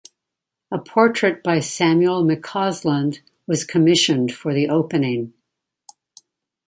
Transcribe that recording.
A portrait by Samuel McCausland was commissioned for the opening.